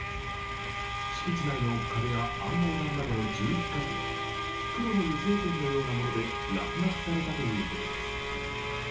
敷地内の壁や案内板などの１１カ所で黒の油性ペンのようなもので落書きされたということです。